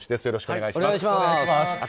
よろしくお願いします。